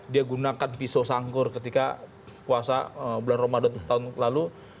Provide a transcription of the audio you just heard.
dia gunakan pisau sangkur ketika puasa bulan ramadan tahun lalu